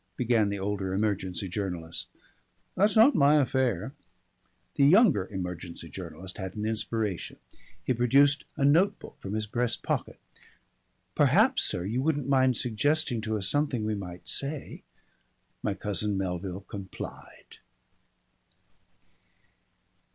began the older emergency journalist. "That's not my affair." The younger emergency journalist had an inspiration. He produced a note book from his breast pocket. "Perhaps, sir, you wouldn't mind suggesting to us something we might say " My cousin Melville complied.